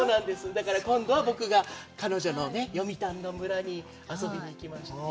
だから今度は僕が、彼女の読谷の村に遊びに行きました。